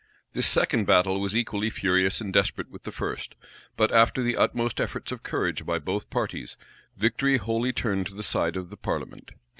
This second battle was equally furious and desperate with the first: but after the utmost efforts of courage by both parties, victory wholly turned to the side of the parliament.